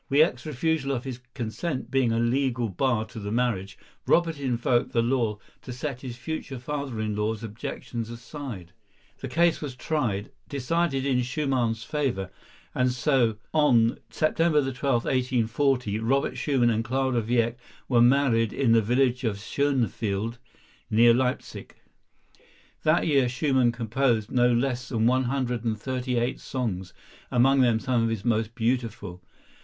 Wieck's refusal of his consent being a legal bar to the marriage, Robert invoked the law to set his future father in law's objections aside. The case was tried, decided in Schumann's favor, and on September 12, 1840, Robert Schumann and Clara Wieck were married in the village of Schönefeld, near Leipsic. That year Schumann composed no less than one hundred and thirty eight songs, among them some of his most beautiful.